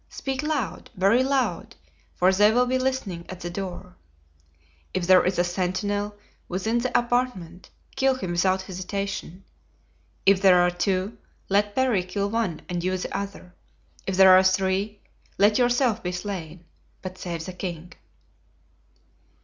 Speak loud, very loud, for they will be listening at the door. If there is a sentinel within the apartment, kill him without hesitation. If there are two, let Parry kill one and you the other. If there are three, let yourself be slain, but save the king."